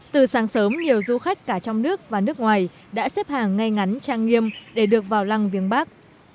từ sáng sớm nhiều du khách cả trong nước và nước ngoài đã xếp hàng ngay ngắn trang nghiêm để được vào lăng viếng bắc